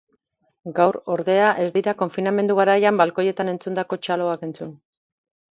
Gaur, ordea, ez dira konfinamendu garaian balkoietan entzundako txaloak entzun.